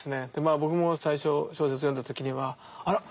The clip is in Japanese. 僕も最初小説を読んだ時にはあらっ